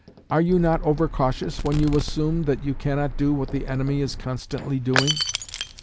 Are you not over cautious when you assume that you cannot do what the enemy is constantly doing?